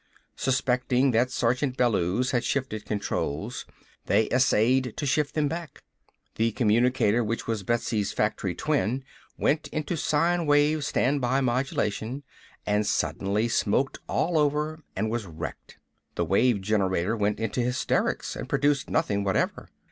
Suspecting that Sergeant Bellews had shifted controls, they essayed to shift them back. The communicator which was Betsy's factory twin went into sine wave standby modulation, and suddenly smoked all over and was wrecked. The wave generator went into hysterics and produced nothing whatever.